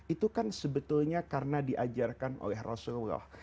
itu kan sebetulnya karena diajarkan oleh rasulullah